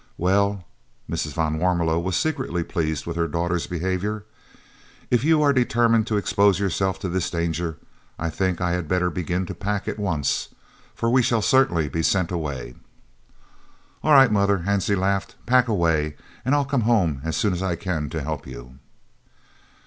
"Well" (Mrs. van Warmelo was secretly pleased with her daughter's behaviour), "if you are determined to expose yourself to this danger, I think I had better begin to pack at once, for we shall certainly be sent away." "All right, mother," Hansie laughed; "pack away, and I'll come home as soon as I can to help you."